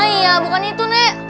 iya bukan itu nek